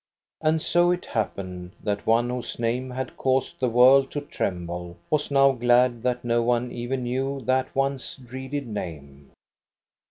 And so it happened that one whose name had caused the world to tremble was now glad that no one even knew that once dreaded name.